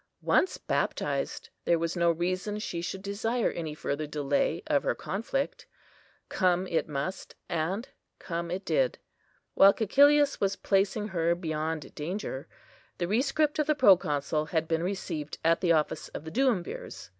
Once baptised, there was no reason she should desire any further delay of her conflict. Come it must, and come it did. While Cæcilius was placing her beyond danger, the rescript of the Proconsul had been received at the office of the Duumvirs.